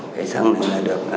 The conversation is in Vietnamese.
cái xăng này được